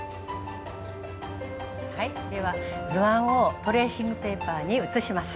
はいでは図案をトレーシングペーパーに写します。